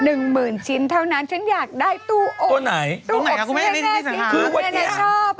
หนึ่งหมื่นชิ้นเท่านั้นฉันอยากได้ตู้อบตู้อบเสื้อแน่ที่คุณแน่ชอบ